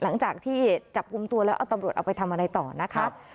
หลังจากที่จับกลุ่มตัวแล้วเอาตำรวจเอาไปทำอะไรต่อนะคะ